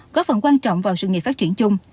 có phần quan trọng vào sự nghiệp phát triển chung